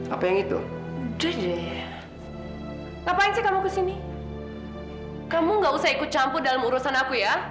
apa yang itu ngapain sih kamu kesini kamu nggak usah ikut campur dalam urusan aku ya